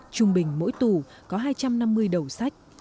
trung bình mỗi tủ có hai trăm năm mươi đầu sách